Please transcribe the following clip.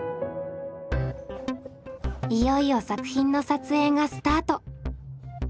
いよいよ作品の撮影がスタート！